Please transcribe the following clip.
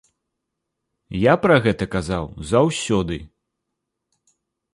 Я пра гэта казаў заўсёды.